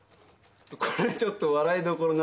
これちょっと笑いどころなんです。